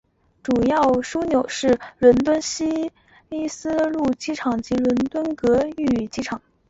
主要枢纽是伦敦希斯路机场及伦敦格域机场。